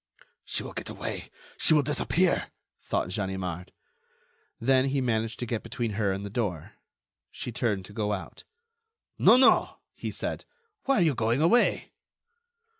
"She will get away! She will disappear!" thought Ganimard. Then he managed to get between her and the door. She turned to go out. "No, no!" he said. "Why are you going away?"